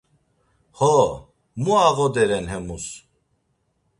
Xo, mu ağoderen emus?